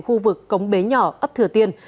khu vực cống bế nhỏ ấp thừa tiên